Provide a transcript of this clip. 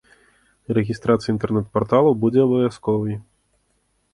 Рэгістрацыя інтэрнэт-парталаў будзе абавязковай.